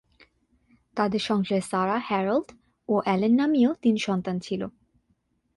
তাদের সংসারে ‘Sarah’, ‘Harold’ ও ‘অ্যালেন’ নামীয় তিন সন্তান ছিল।